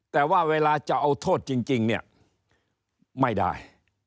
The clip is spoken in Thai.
แต่ว่าเวลาจะเอาโทษจริงเนี่ยไม่ได้